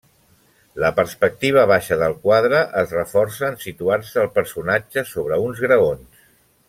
La perspectiva baixa del quadre es reforça en situar-se els personatges sobre uns graons.